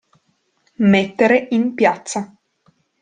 Mettere in piazza.